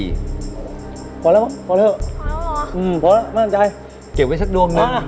พอแล้วมั้ยพอแล้วพอแล้วพอแล้วหรอหืมพอแล้วมั่นใจเก็บไว้ชัดดวงหนึ่งมาล่ะ